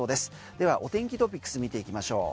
ではお天気トピックス見ていきましょう。